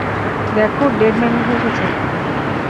দেখো, dead man উঠে গেছে।